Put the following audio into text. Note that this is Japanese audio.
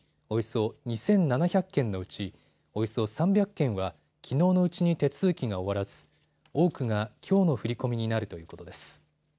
およそ２７００件のうちおよそ３００件はきのうのうちに手続きが終わらず多くがきょうの振り込みになるということです。